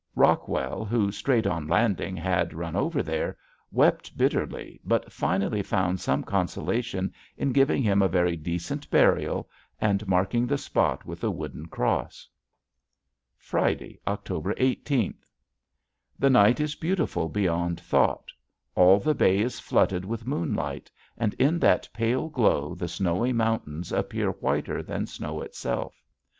Rockwell, who straight on landing had run there, wept bitterly but finally found much consolation in giving him a very decent burial and marking the spot with a wooden cross. Friday, October eighteenth. The night is beautiful beyond thought. All the bay is flooded with moonlight and in that pale glow the snowy mountains appear whiter than snow itself.